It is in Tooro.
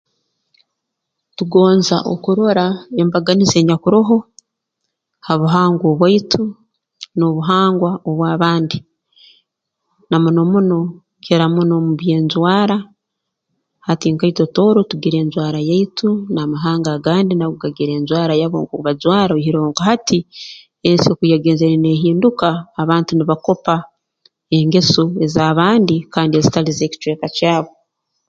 Tugonza okurora embaganiza enyakuroho ha buhangwa obwaitu n'obuhangwa obw'abandi na muno muno kukira muno mu by'enjwara hati nka itwe Tooro tugira enjwara yaitu n'amahanga agandi nago gagira enjwara eyago nkooku bajwara oihire nka hati ensi oku yagenzere neehinduka abantu nibakopa ez'abandi kandi ezitali z'ekicweka kyabo